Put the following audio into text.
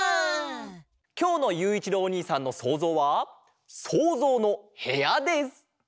きょうのゆういちろうおにいさんのそうぞうは「そうぞうのへや」です！